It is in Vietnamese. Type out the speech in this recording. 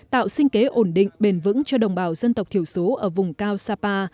tạo sinh kế ổn định bền vững cho đồng bào dân tộc thiểu số ở vùng cao sapa